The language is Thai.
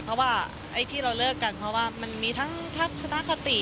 เพราะว่าไอ้ที่เราเลิกกันเพราะว่ามันมีทั้งทัศนคติ